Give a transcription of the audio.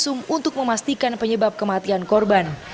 dan melakukan visum untuk memastikan penyebab kematian korban